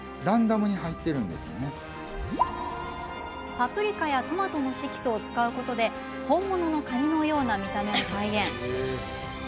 パプリカやトマトの色素を使うことで本物のカニのような見た目を再現。